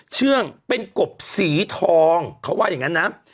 เชื่องเป็นกบสีทองเขาว่าอย่างนั้นนะ